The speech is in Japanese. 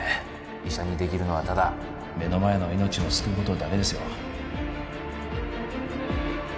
医者にできるのはただ目の前の命を救うことだけですよ